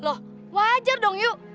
loh wajar dong yuk